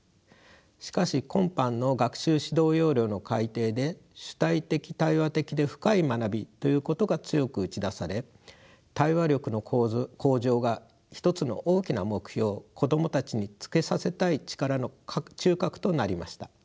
しかし今般の学習指導要領の改訂で主体的対話的で深い学びということが強く打ち出され対話力の向上が一つの大きな目標子供たちにつけさせたい力の中核となりました。